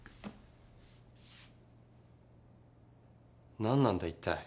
何なんだ一体。